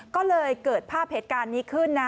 ก็เลยเกิดภาพเหตุการณ์นี้ขึ้นนะ